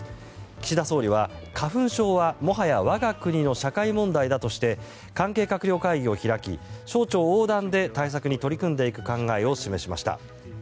岸田総理は、花粉症はもはや我が国の社会問題だとして関係閣僚会議を開き省庁横断で対策に取り組んでいく考えを示しました。